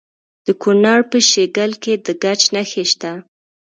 د کونړ په شیګل کې د ګچ نښې شته.